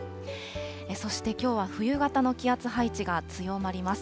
そしてきょうは冬型の気圧配置が強まります。